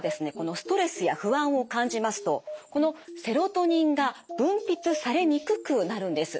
ストレスや不安を感じますとこのセロトニンが分泌されにくくなるんです。